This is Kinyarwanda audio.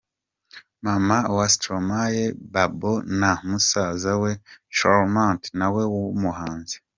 Maman wa Stromae, Babo na musaza we Charmant na we w'umuhanzi.